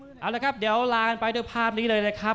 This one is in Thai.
เอาละครับเดี๋ยวลากันไปด้วยภาพนี้เลยนะครับ